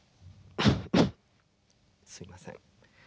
すいません。